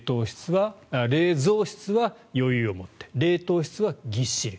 冷蔵室は余裕を持って冷凍室はぎっしり。